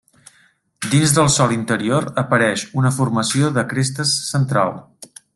Dins del sòl interior apareix una formació de crestes central.